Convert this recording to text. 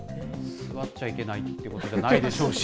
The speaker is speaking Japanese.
座っちゃいけないっていうことじゃないでしょうし。